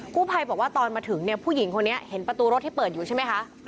ผู้ภัยบอกว่าตอนมาถึงเนี่ยผู้หญิงคนนี้เห็นประตูรถที่เปิดอยู่ใช่ไหมคะ